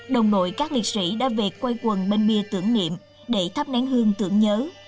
đồng đội các liệt sĩ đã về quê quần bên bia tưởng niệm để thắp nén hương tưởng nhớ